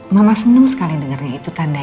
mama seneng sekali dengernya itu tandanya